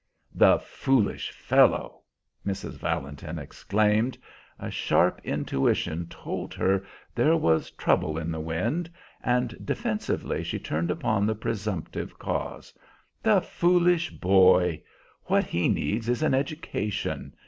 "The foolish fellow!" Mrs. Valentin exclaimed. A sharp intuition told her there was trouble in the wind, and defensively she turned upon the presumptive cause. "The foolish boy! What he needs is an education.